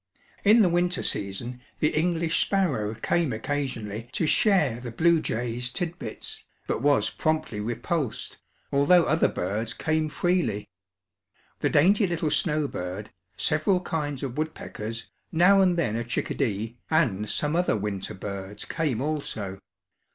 In the winter season the English sparrow came occasionally to share the bluejays' tidbits, but was promptly repulsed, although other birds came freely. The dainty little snowbird, several kinds of woodpeckers, now and then a chickadee, and some other winter birds came also.